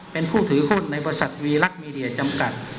เป็นผู้ถือหุ้นในบริษัทวีลักษณ์มีเดียจำกัด